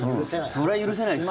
それは許せないですよ。